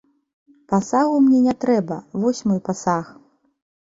Пасагу мне не трэба, вось мой пасаг.